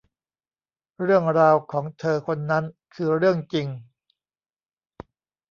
เรื่องราวของเธอคนนั้นคือเรื่องจริง